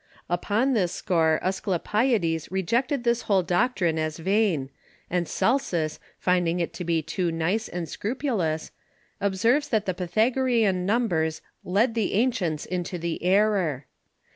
Upon this score Asclepiades rejected this whole Doctrine as vain, and Celsus finding it to be too nice and scrupulous, observes that the Pythagorean Numbers led the Ancients into the Error.